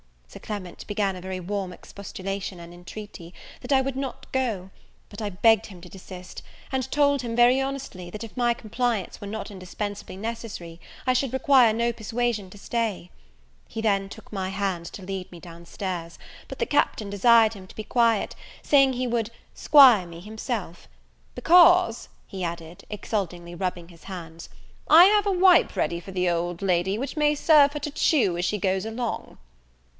Sir Clement began a very warm expostulation and intreaty, that I would not go; but I begged him to desist, and told him, very honestly, that, if my compliance were not indispensably necessary I should require no persuasion to stay. He then took my hand, to lead me down stairs; but the Captain desired him to be quiet, saying he would 'squire me himself, "because" he added, (exultingly rubbing his hands) "I have a wipe ready for the old lady, which may serve her to chew as she goes along."